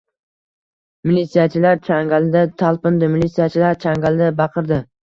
militsiyachilar changalida talpindi. militsiyachilar changalida baqirdi: